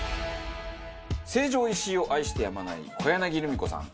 成城石井を愛してやまない小柳ルミ子さん